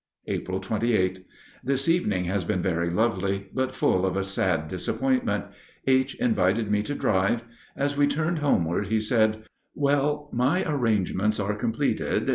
April 28. This evening has been very lovely, but full of a sad disappointment. H. invited me to drive. As we turned homeward he said: "Well, my arrangements are completed.